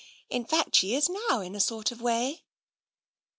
In fact, she is now, in a sort of way."